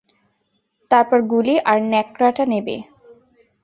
তারপর গুলি আর ন্যাকড়াটা নেবে।